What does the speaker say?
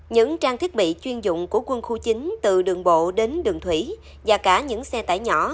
những trang thiết bị chuyên dụng của quân khu chín từ đường bộ đến đường thủy và cả những xe tải nhỏ